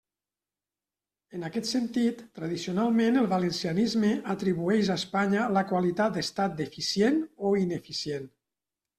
En aquest sentit, tradicionalment el valencianisme atribueix a Espanya la qualitat d'estat deficient o ineficient.